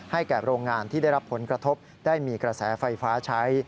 แก่โรงงานที่ได้รับผลกระทบได้มีกระแสไฟฟ้าใช้